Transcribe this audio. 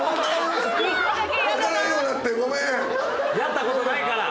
やったことないから。